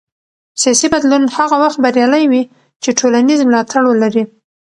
سیاسي بدلون هغه وخت بریالی وي چې ټولنیز ملاتړ ولري